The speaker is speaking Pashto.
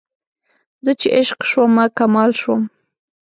زه چې عشق شومه کمال شوم